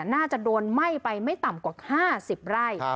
น่าจะโดนไหม้ไปไม่ต่ำกว่า๕๐ไร่